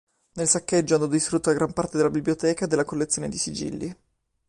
Nel saccheggio andò distrutta gran parte della ricca biblioteca e della collezione di sigilli.